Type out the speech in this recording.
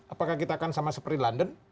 apakah kita akan sama seperti london